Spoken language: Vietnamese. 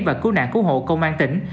và cứu nạn cứu hộ công an tỉnh